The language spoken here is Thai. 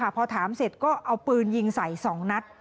พอถามเสร็จก็เอาปืนยิงใส่๒นัด